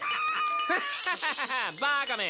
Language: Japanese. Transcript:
ワハハハバカめ。